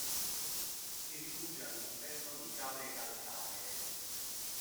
Si rifugia all'interno di cave calcaree.